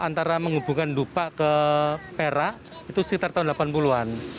antara menghubungkan dupak ke perak itu sekitar tahun delapan puluh an